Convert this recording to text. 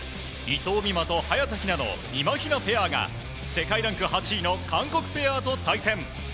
伊藤美誠と早田ひなのみまひなペアが世界ランク８位の韓国ペアと対戦。